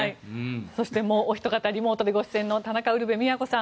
そしてもうおひと方リモートでご出演の田中ウルヴェ京さん